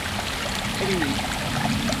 krii